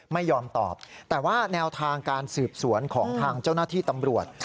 ไม่ยอมตอบแต่ว่าแนวทางการสืบสวนของทางเจ้าหน้าที่ตำรวจ